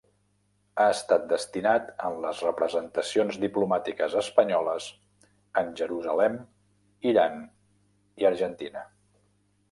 Ha estat destinat en les Representacions Diplomàtiques Espanyoles en Jerusalem, Iran i Argentina.